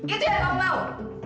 itu yang kamu mau